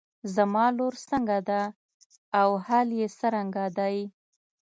زما لور څنګه ده او حال يې څرنګه دی.